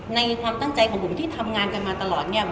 ในความตั้งใจของบุ๋มที่ทำงานกันมาตลอดเนี่ย